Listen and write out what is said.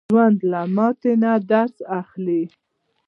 ژوندي له ماتو نه درس اخلي